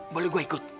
boleh gue ikut